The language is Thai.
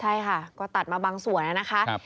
ใช่ค่ะก็ตัดมาบางส่วนนะคะ